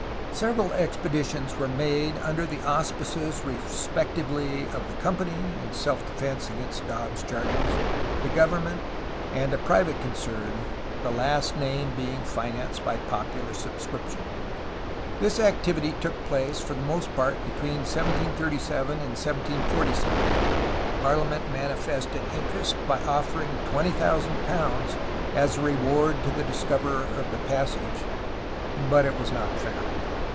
Several expe ditions were made under the auspices respectively of the company (in self defence against Dobbs' charges), the gov ernment, and a private concern, the last named being financed by popular subscription. This activity took place for the most part between 1737 and 1747. Parliament mani fested interest by offering £20,000 as a reward to the discoverer of the passage, but it was not found.